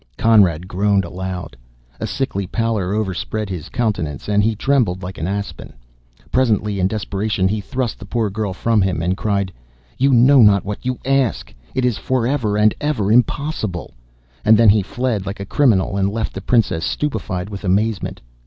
'" Conrad groaned aloud. A sickly pallor overspread his countenance, and he trembled like an aspen. Presently, in desperation, he thrust the poor girl from him, and cried: "You know not what you ask! It is forever and ever impossible!" And then he fled like a criminal and left the princess stupefied with amazement.